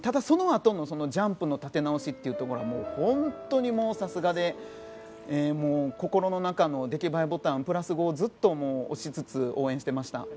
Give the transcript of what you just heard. そのあとのジャンプの立て直しというのが本当にさすがで心の中の出来栄えボタンプラス５をずっと押しつつ応援していました。